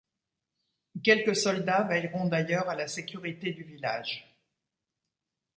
Quelques soldats veilleront d'ailleurs à la sécurité du village.